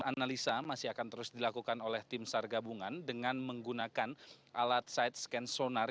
analisa masih akan terus dilakukan oleh tim sar gabungan dengan menggunakan alat side scan sonar